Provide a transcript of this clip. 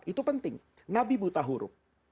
itu penting nabi buta huruf